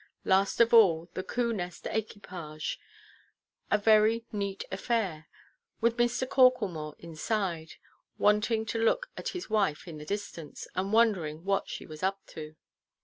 Last of all the Coo Nest equipage, a very neat affair, with Mr. Corklemore inside, wanting to look at his wife in the distance, and wondering what she was up to.